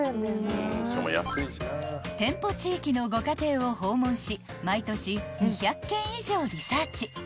［店舗地域のご家庭を訪問し毎年２００軒以上リサーチ］